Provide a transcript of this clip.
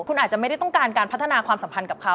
คุณอาจจะไม่ได้ต้องการการพัฒนาความสัมพันธ์กับเขา